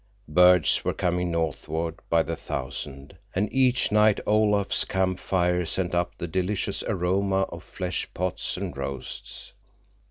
Birds were coming northward by the thousand, and each night Olaf's camp fire sent up the delicious aroma of flesh pots and roasts.